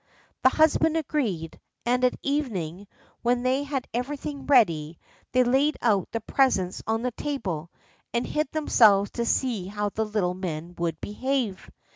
The husband agreed, and at evening, when they had everything ready, they laid out the presents on the table, and hid themselves to see how the little men would behave.